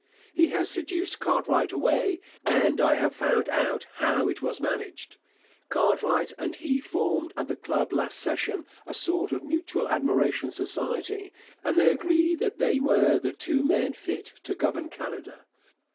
He has seduced Cartwright away, and I have found out how it was managed. Cartwright and he formed at the Club last session a sort of mutual admiration society, and they agreed that they were the two men fit to govern Canada.